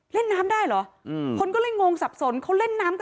เล่นน้ำได้เหรอคนก็เลยงงสับสนเขาเล่นน้ำกัน